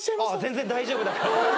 全然大丈夫だから。